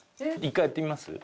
１回やってみます？